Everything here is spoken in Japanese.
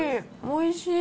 おいしい。